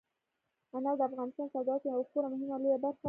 انار د افغانستان د صادراتو یوه خورا مهمه او لویه برخه ده.